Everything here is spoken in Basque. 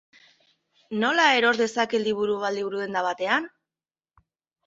Nola eros dezaket liburu bat liburudenda batean?